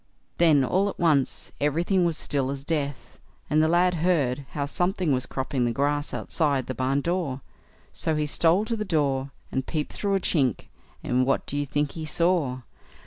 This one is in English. Then all at once everything was as still as death, and the lad heard how something was cropping the grass outside the barn door, so he stole to the door, and peeped through a chink; and what do you think he saw?